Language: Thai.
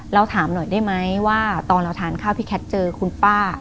เราถามหน่อยได้ไหมว่าตอนเราทานข้าวพี่แคทเจอคุณป้า